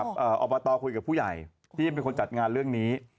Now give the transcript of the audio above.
อบตคุยกับผู้ใหญ่ที่เป็นคนจัดงานเรื่องนี้